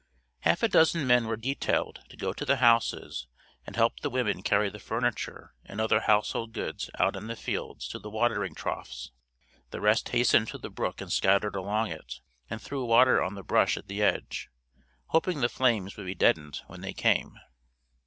Half a dozen men were detailed to go to the houses and help the women carry the furniture and other household goods out in the fields to the watering troughs; the rest hastened to the brook and scattered along it, and threw water on the brush at the edge, hoping the flames would be deadened when they came.